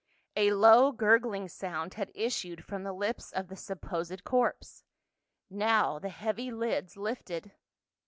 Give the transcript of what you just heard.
A low gurgling sound had issued from the lips of the supposed corpse, now the heavy lids lifted.